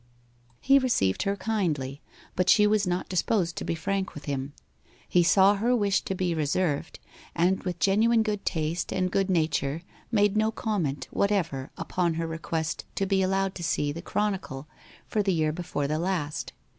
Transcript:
He received her kindly; but she was not disposed to be frank with him. He saw her wish to be reserved, and with genuine good taste and good nature made no comment whatever upon her request to be allowed to see the Chronicle for the year before the last.